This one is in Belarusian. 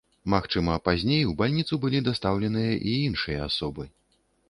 Магчыма, пазней ў бальніцу былі дастаўленыя і іншыя асобы.